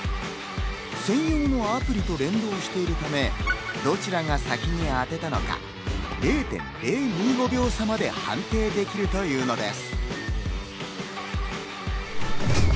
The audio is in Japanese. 専用のアプリと連動しているため、どちらが先に当てたのか、０．０２５秒差まで判定できるというのです。